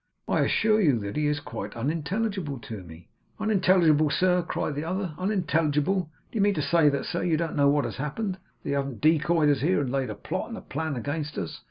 'I assure you that he is quite unintelligible to me.' 'Unintelligible, sir!' cried the other. 'Unintelligible! Do you mean to say, sir, that you don't know what has happened! That you haven't decoyed us here, and laid a plot and a plan against us!